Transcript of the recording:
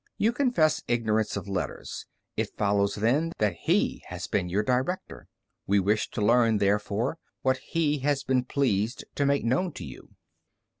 You confess ignorance of letters; it follows then that He has been your director. We wish to learn, therefore, what He has been pleased to make known to you."